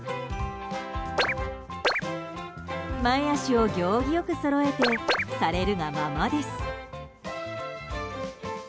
前脚を行儀良くそろえてされるがままです。